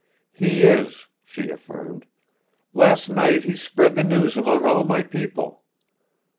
"He is," she affirmed. "Last night he spread the news among all my people.